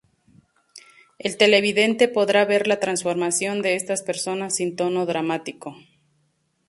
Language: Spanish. El televidente podrá ver la transformación de estas personas sin tono dramático.